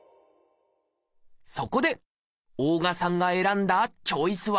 そこで大我さんが選んだチョイスは？